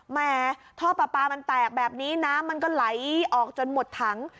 แหมท่อปลาปลามันแตกแบบนี้น้ำมันก็ไหลออกจนหมดถัง